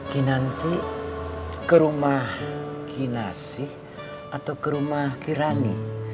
kinanti ke rumah kinasi atau ke rumah kirani